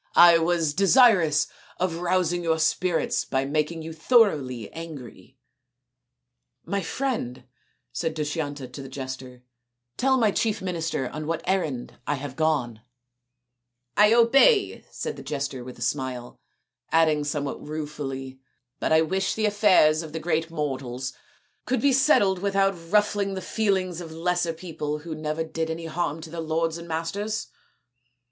" I was desirous of rousing your spirits by making you thoroughly angry." " My friend," said Dushyanta to the jester, " tell my chief minister on what errand I have gone." 246 THE INDIAN STORY BOOK " I obey," said the jester with a smile, adding somewhat ruefully, "but I wish the affairs of great mortals could be settled without ruffling the feelings of lesser people who never did any harm to their lords and masters.